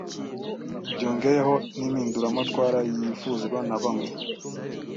byongeyeho n’impinduramatwara yifuzwa na bamwe